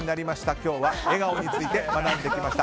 今日は笑顔について学んできました。